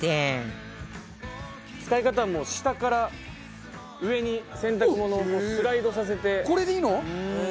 使い方はもう下から上に洗濯物をスライドさせて。